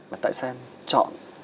mà tại sao em chọn